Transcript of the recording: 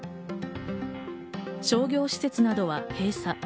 商業施設などは閉鎖。